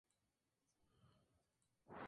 Tuvo como campeón al Club Voleibol Calvo Sotelo.